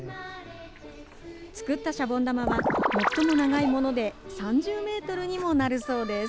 作ったシャボン玉は、最も長いもので３０メートルにもなるそうです。